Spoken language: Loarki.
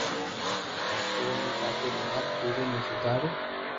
ھين او مون ڪافي لوھار پيڙي ۾ سودھارو